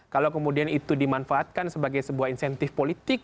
kalau kemudian itu dimanfaatkan sebagai sebuah insentif politik